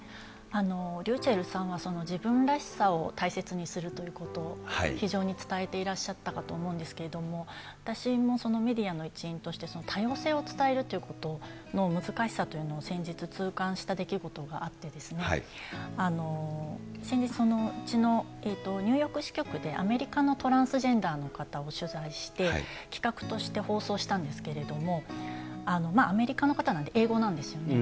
ｒｙｕｃｈｅｌｌさんは自分らしさを大切にするということ、非常に伝えていらっしゃったかと思うんですけれども、私もそのメディアの一員として、多様性を伝えるということの難しさというのを先日、痛感した出来事があって、先日、うちのニューヨーク支局でアメリカのトランスジェンダーの方を取材して、企画として放送したんですけれども、アメリカの方なんで英語なんですよね。